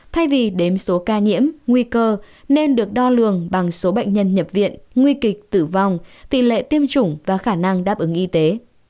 thay vì đếm số ca nhiễm nguy cơ nên được đo lường bằng số bệnh nhân nhập viện nguy kịch tử vong tỷ lệ tiêm chủng và khả năng đáp ứng y tế